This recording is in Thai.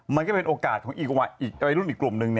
มันก็เป็นโอกาสของอีกวัยรุ่นอีกกลุ่มนึง